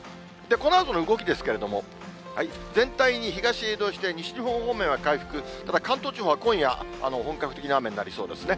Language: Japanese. このあとの動きですけれども、全体に東へ移動して、西日本方面は回復、ただ関東地方は今夜、本格的な雨になりそうですね。